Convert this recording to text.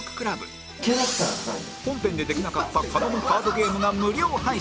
本編でできなかった狩野のカードゲームが無料配信